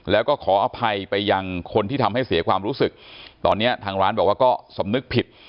แล้วก็ขออภัยไปยังคนที่ทำให้เสียความรู้สึกตอนนี้ทางร้านบอกว่าก็สำนึกผิด